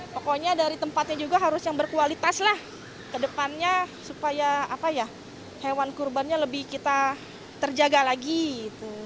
pokoknya dari tempatnya juga harus yang berkualitas lah ke depannya supaya hewan kurbannya lebih kita terjaga lagi gitu